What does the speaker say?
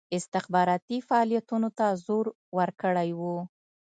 استخباراتي فعالیتونو ته زور ورکړی وو.